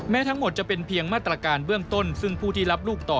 ทั้งหมดจะเป็นเพียงมาตรการเบื้องต้นซึ่งผู้ที่รับลูกต่อ